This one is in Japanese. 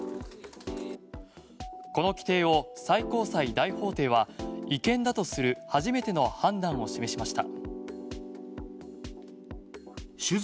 この規定を最高裁大法廷は違憲だとする初めての判断を示しました。